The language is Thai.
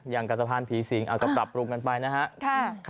อย่างกับสะพานผีสิงปรับปรุงกันไปนะฮะ